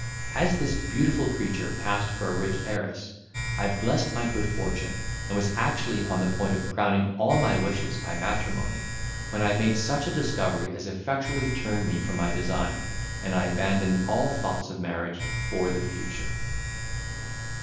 As this beautiful creature passed for a rich heiress, I blessed my good fortune, and was actually on the point of crowning all my wishes by matrimony, when I made such a discovery as effectually turned me from my design, and I abandoned all thoughts of marriage for the future.